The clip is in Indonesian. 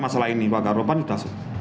masalah ini warga korupan sudah